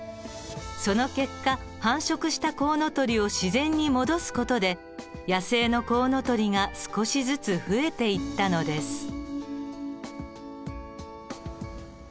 その結果繁殖したコウノトリを自然に戻す事で野生のコウノトリが少しずつ増えていったのです。